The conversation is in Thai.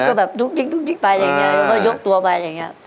ก็ดูกดิ๊กอยู่ไปแล้วก็ยกตัวไป